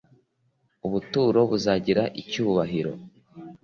Ubuturo buzagira icyubahiro